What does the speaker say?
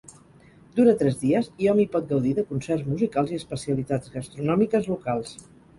Dura tres dies i hom hi pot gaudir de concerts musicals i especialitats gastronòmiques locals.